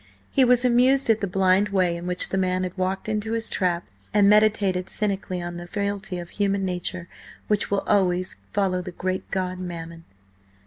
He was amused at the blind way in which the man had walked into his trap, and meditated cynically on the frailty of human nature which will always follow the great god Mammon.